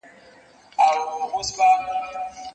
خُمار مي د عمرونو میکدې ته وو راوړی